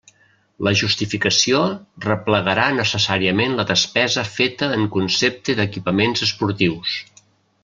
La justificació replegarà necessàriament la despesa feta en concepte d'equipaments esportius.